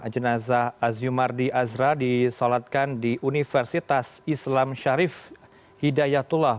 jenazah aziumardi azra disolatkan di universitas islam syarif hidayatullah